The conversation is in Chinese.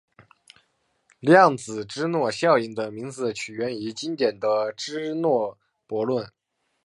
量子芝诺效应的名字起源于经典的芝诺悖论。